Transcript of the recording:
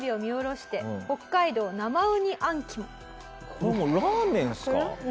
これもうラーメンですか？